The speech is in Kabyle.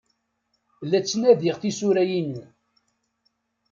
La ttnadiɣ tisura-inu.